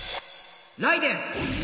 ライデェン！